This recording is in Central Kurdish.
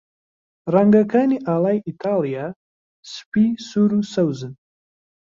ڕەنگەکانی ئاڵای ئیتاڵیا سپی، سوور، و سەوزن.